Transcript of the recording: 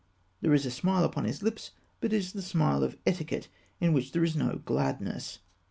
There is a smile upon his lips, but it is the smile of etiquette, in which there is no gladness.